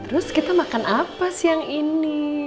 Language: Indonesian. terus kita makan apa siang ini